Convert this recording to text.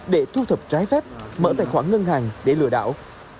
để thu thập trái phép mở tài khoản ngân hàng để lừa đảo